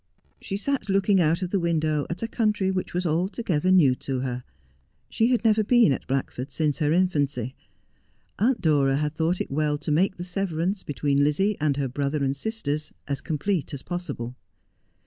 She sat looking out of the window at a country which was altogether new to her. She had never been at Blackford since her infancy. Aunt Dora had thought it well to make the severance between Lizzie and her brother and sisters as complete as possible.